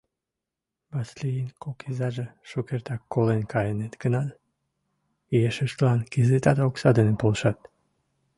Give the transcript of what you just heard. Васлийын кок изаже шукертак колен каеныт гынат, ешыштлан кызытат окса дене полшат.